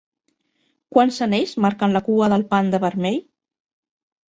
Quants anells marquen la cua del panda vermell?